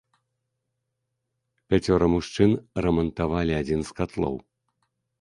Пяцёра мужчын рамантавалі адзін з катлоў.